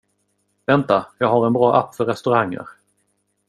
Vänta, jag har en bra app för restauranger.